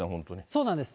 そうなんです。